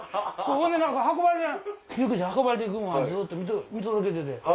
何か運ばれて行くのをずっと見届けてて。